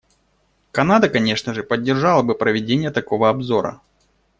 Канада, конечно же, поддержала бы проведение такого обзора.